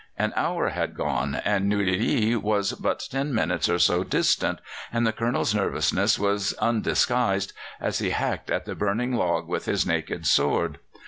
An hour had gone, and Nouilly was but ten minutes or so distant, and the Colonel's nervousness was undisguised as he hacked at the burning log with his naked sword.